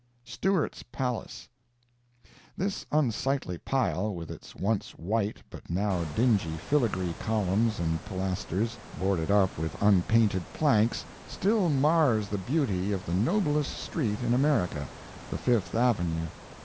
STEWART'S PALACE' This unsightly pile, with its once white but now dingy filagree columns and pilasters boarded up with unpainted planks, still mars the beauty of the noblest street in America—the Fifth Avenue.